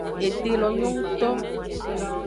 Ete lo nyo ngto.